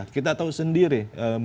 kita tahu sendiri